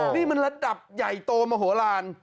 นี่มันระดับใหญ่โตมโหลาน